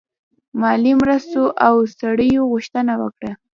مالي مرستو او سړیو غوښتنه وکړه.